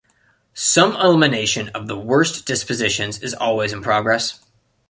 Some elimination of the worst dispositions is always in progress.